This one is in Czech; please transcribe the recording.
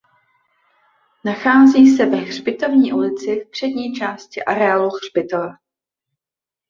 Nachází se ve Hřbitovní ulici v přední části areálu hřbitova.